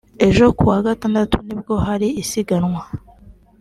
ejo (kuwa Gatandatu) nibwo hari isiganwa